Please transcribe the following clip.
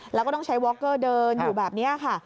แล้วก็ต้องใช้วอคเกอร์เดินอยู่แบบนี้ค่ะ